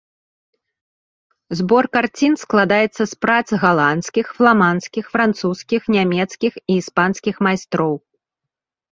Збор карцін складаецца з прац галандскіх, фламандскіх, французскіх, нямецкіх і іспанскіх майстроў.